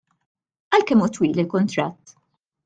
Għal kemm hu twil il-kuntratt?